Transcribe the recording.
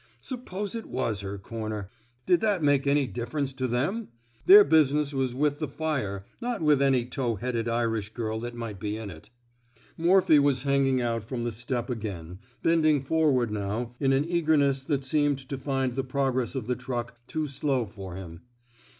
Suppose it was her comer 1 Did that make any dif ference to them? Their business was with 98 PRIVATE MORPHY^S ROMANCE the fire, not with any tow headed Irish giri that might be in it. Morphy was hanging out from the step again, bending forward now in an eagerness that seemed to find the progress of the truck too slow for him.